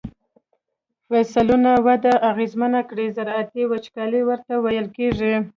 فصلونو وده اغیزمنه کړي زراعتی وچکالی ورته ویل کیږي.